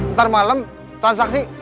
ntar malem transaksi